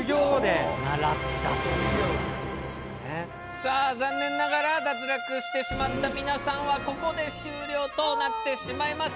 さあ残念ながら脱落してしまった皆さんはここで終了となってしまいます。